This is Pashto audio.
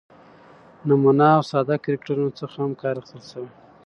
،نمونه او ساده کرکترونو څخه هم کار اخستل شوى